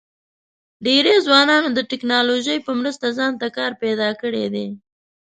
ډېری ځوانانو د ټیکنالوژۍ په مرسته ځان ته کار پیدا کړی دی.